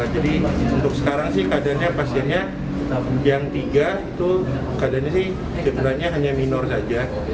jadi untuk sekarang sih kadarnya pastinya yang tiga itu kadarnya sih sebenarnya hanya minor saja